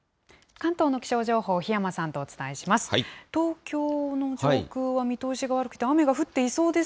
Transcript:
関東の気象情報、檜山さんとお伝えします。